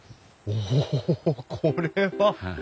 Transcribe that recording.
おこれは！